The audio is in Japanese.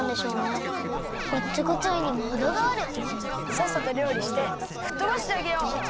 さっさとりょうりしてふっとばしてあげよう！